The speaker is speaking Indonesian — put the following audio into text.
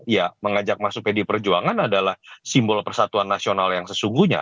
ya mengajak masuk pdi perjuangan adalah simbol persatuan nasional yang sesungguhnya